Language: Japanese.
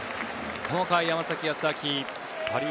この回、山崎康晃